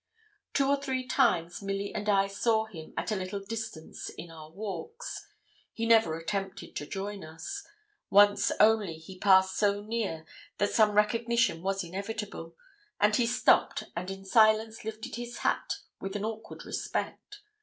Two or three times Milly and I saw him at a little distance in our walks. He never attempted to join us. Once only he passed so near that some recognition was inevitable, and he stopped and in silence lifted his hat with an awkward respect.